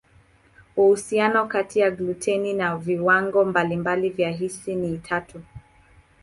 Uhusiano kati ya gluteni na viwango mbalimbali vya hisi ni tata.